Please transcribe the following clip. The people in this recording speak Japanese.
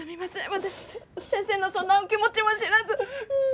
私先生のそんなお気持ちも知らず。